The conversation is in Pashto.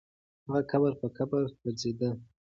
هغه قبر په قبر وګرځېد.